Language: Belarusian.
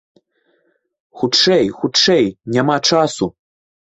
Хутчэй, хутчэй, няма часу!